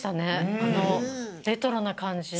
あのレトロなかんじの。